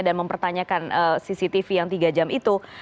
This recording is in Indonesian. dan mempertanyakan cctv yang tiga jam itu